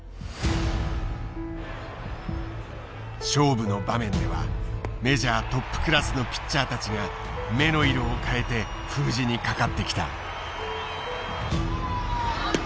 勝負の場面ではメジャートップクラスのピッチャーたちが目の色を変えて封じにかかってきた。